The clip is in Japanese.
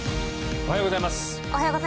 おはようございます。